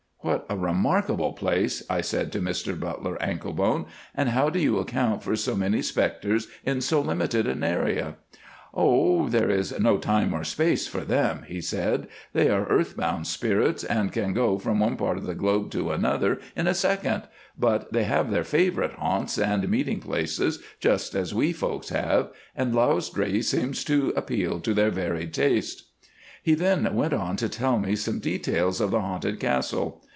"What a remarkable place," I said to Mr Butler Anklebone, "and how do you account for so many spectres in so limited an area?" "Oh! there is no time or space for them," he said, "they are earth bound spirits, and can go from one part of the globe to another in a second; but they have their favourite haunts and meeting places just as we folks have, and Lausdree seems to appeal to their varied tastes." He then went on to tell me some details of the Haunted Castle.